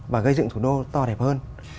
và gây dựng thủ đô to đẹp hơn